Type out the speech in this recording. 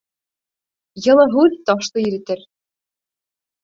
Йылы һүҙ ташты иретер.